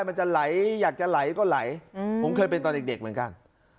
มันจะไหลอยากจะไหลก็ไหลผมเคยเป็นตอนเด็กเหมือนกัน